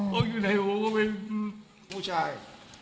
เขาอยู่ในหัวเข้าไปผู้ชาย